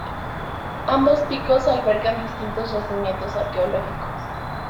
Ambos picos albergan distintos yacimientos arqueológicos.